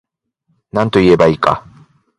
なんといえば良いか